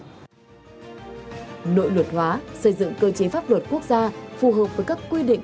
nội luật hóa xây dựng cơ chế pháp luật quốc gia phù hợp với các quy định